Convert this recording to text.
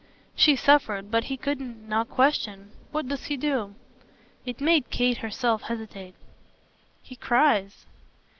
She suffered, but he couldn't not question. "What does he do?" It made Kate herself hesitate. "He cries."